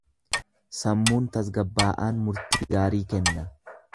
Sammuun tasgabbaa’aan murtii gaarii kenna.